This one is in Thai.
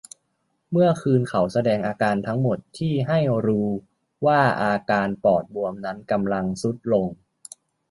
เมื่อคืนเขาแสดงอาการทั้งหมดที่ให้รูว่าอาการปอดบวมนั้นกำลังทรุดลง